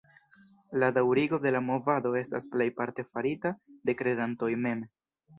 La daŭrigo de la movado estas plejparte farita de kredantoj mem.